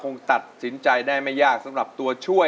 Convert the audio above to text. ทั้งในเรื่องของการทำงานเคยทำนานแล้วเกิดปัญหาน้อย